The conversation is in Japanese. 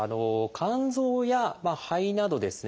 肝臓や肺などですね